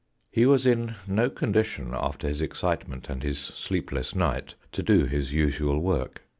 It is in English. He was in no condition, after his excitement and his sleepless night, to do his usual work.